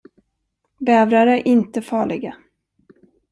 Bävrar är inte farliga.